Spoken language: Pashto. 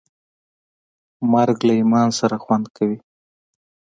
مرګ له ایمان سره خوند کوي.